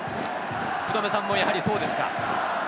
福留さんも、やはりそうですか？